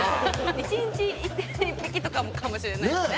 １日１匹とかかもしれないですね。